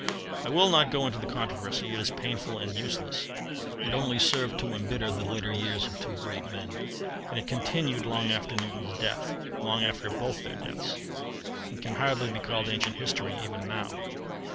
I will not go into the controversy: it is painful and useless. It only served to embitter the later years of two great men, and it continued long after Newton's death long after both their deaths. It can hardly be called ancient history even now.